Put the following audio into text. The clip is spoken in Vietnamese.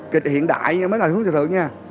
kịch hiện đại nhưng mà hơi hướng thời sự nha